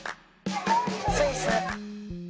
スイス。